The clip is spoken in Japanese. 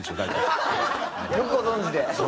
ハハ！よくご存じで。